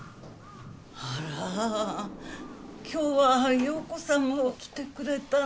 あら今日は陽子さんも来てくれたの。